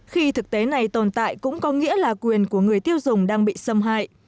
khi thực tế này tồn tại cũng có nghĩa là quyền của người tiêu dùng đang bị xâm hại